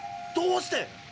どうして？